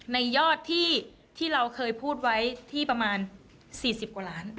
ในยอดที่เราเคยพูดไว้ที่ประมาณ๔๐กว่าล้าน